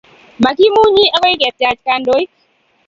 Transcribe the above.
Makimunye akoi kityach kandoik